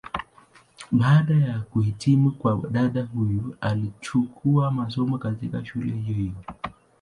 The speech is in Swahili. Baada ya kuhitimu kwa dada huyu alichukua masomo, katika shule hiyo hiyo.